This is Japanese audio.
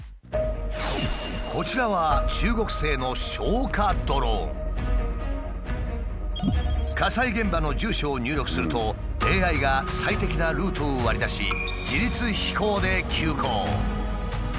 こちらは火災現場の住所を入力するとＡＩが最適なルートを割り出し自律飛行で急行！